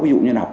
ví dụ như là học